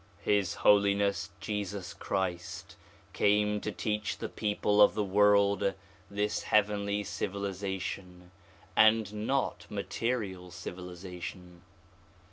His Holiness Jesus Christ came to teach the people of the world this heavenly civilization and not material civilization.